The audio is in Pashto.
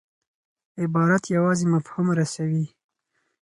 عبارت یوازي مفهوم رسوي.